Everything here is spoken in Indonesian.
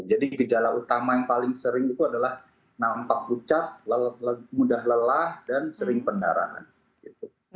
jadi gejala utama yang paling sering itu adalah nampak pucat mudah lelah dan sering pendarahan